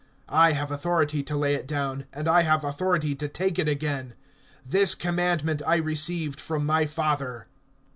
I have authority to lay it down, and I have authority to take it again. This commandment I received from my Father.